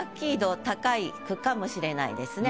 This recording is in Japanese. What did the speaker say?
句かもしれないですね。